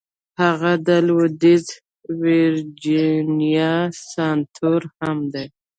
هغه د لويديځې ويرجينيا سناتور هم دی.